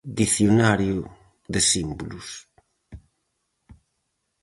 Dicionario de símbolos.